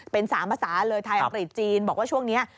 เป็น๓ภาษาเลยไทยอังกฤษจีนบอกว่าช่วงนี้